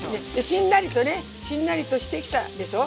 しんなりとねしんなりとしてきたでしょ。